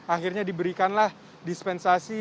akhirnya diberikanlah dispensasi